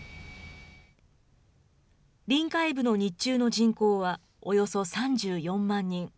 臨海部の日中の人口はおよそ３４万人。